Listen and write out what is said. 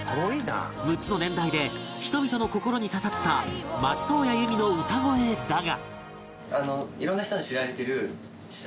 ６つの年代で人々の心に刺さった松任谷由実の歌声だが